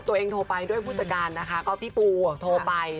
ตัวเองโทรไปด้วยพู่จักรก็พี่ปูนั่งโทรไป